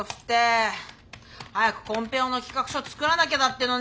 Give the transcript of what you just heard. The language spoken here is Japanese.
早くコンペ用の企画書作らなきゃだってのに！